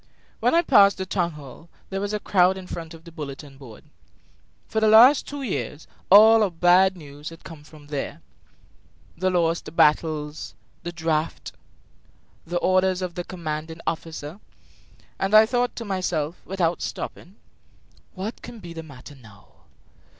When I passed the town hall there was a crowd in front of the bulletin board. For the last two years all our bad news had come from there the lost battles, the draft, the orders of the commanding officer and I thought to myself, without stopping: "What can be the matter now?"